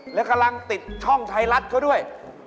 และกำลังติดช่องไทยรัฐเขาด้วย